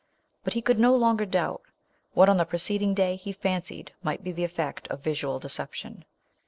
But he could no longer doubt, what, on the preceding day, he fancied might be the effect of visual deception.